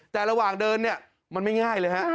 แต่ระหว่างเดินเนี่ยมันไม่ง่ายเลยฮะ